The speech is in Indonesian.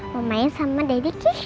mau main sama daddy kiss ya